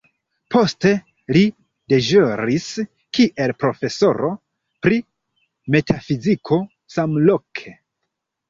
Poste li deĵoris kiel profesoro pri metafiziko samloke.